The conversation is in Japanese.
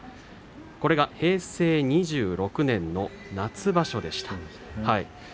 平成２６年の夏場所でした。